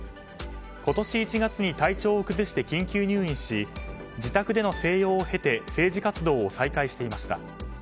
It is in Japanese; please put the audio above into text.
今年１月に体調を崩して緊急入院し自宅での静養を経て政治活動を再開していました。